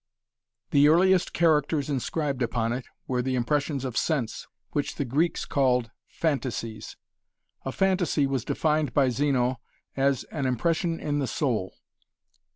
The earliest characters inscribed upon it were the impressions of sense, which the Greeks called "phantasies." A phantasy was defined by Zeno as "an impression in the soul."